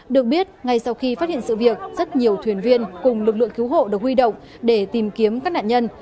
được biết ngay sau khi phát hiện sự việc rất nhiều thuyền viên cùng lực lượng cứu hộ được huy động để tìm kiếm các nạn nhân